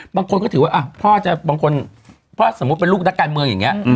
บางคนก็ถือว่าพ่อจะบางคนพ่อสมมุติเป็นลูกนักการเมืองอย่างนี้